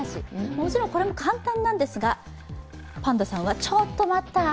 もちろんこれも簡単なんですがパンダさんは、ちょっと待った！